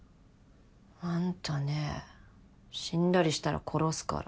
あんたね死んだりしたら殺すから。